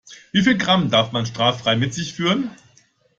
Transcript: Wie viel Gramm darf man straffrei mit sich führen?